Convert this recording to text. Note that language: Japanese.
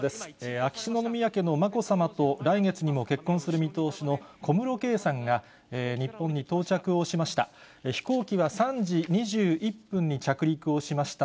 秋篠宮家のまこさまと来月にも結婚する見通しの小室圭さんが、日本に到着をしました。